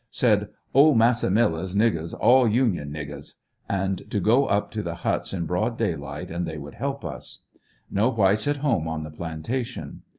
Said "Ole Massa Miller's nig gers all Union niggers," and to go up to the huts in broad day light and they would help us. No whites at home on the plantation.